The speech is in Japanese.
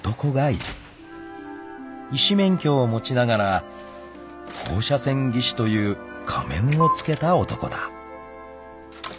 ［医師免許を持ちながら放射線技師という仮面をつけた男だ］